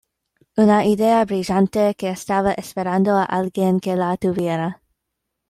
Una idea brillante, que estaba esperando a alguien que la tuviera".